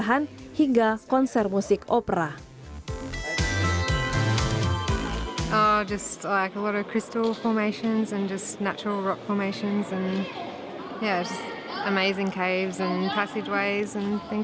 dan juga merupakan tempat yang sangat menarik untuk menemukan fosil laut